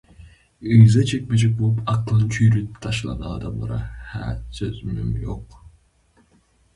Yza çekmejek bolup aklyny çüýredip taşlan adamlara ha sözümem ýok.